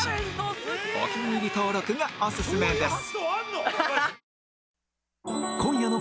お気に入り登録がオススメです